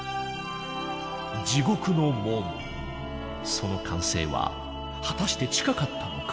その完成は果たして近かったのか？